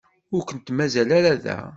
Ur kent-mazal ara da.